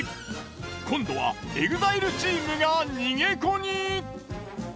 今度はＥＸＩＬＥチームが逃げ子に。